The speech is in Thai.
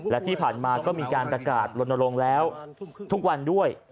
และที่ผ่านมาก็มีการประกาศลนลงแล้วทุกวันด้วย